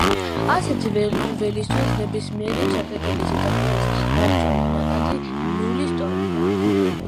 ასეთი ველისთვის ნებისმიერი ჩაკეტილი ზედაპირის გამჭოლი ნაკადი ნულის ტოლია.